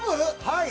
はい。